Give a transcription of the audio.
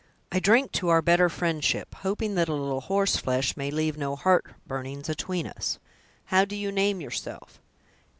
I drink to our better friendship, hoping that a little horse flesh may leave no heart burnings atween us. How do you name yourself?"